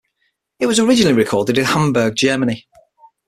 It was originally recorded in Hamburg, Germany.